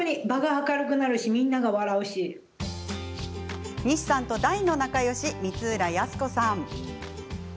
本当に西さんと仲よし、光浦靖子さん。